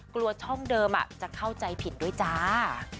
กลัวช่องเดิมจะเข้าใจผิดด้วยจ้า